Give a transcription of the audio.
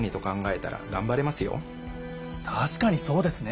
たしかにそうですね。